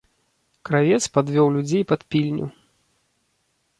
Кравец падвёў людзей пад пільню.